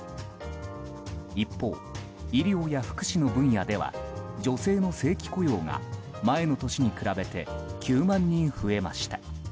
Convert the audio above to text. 一方、医療や福祉の分野では女性の正規雇用が前の年に比べて９万人増えました。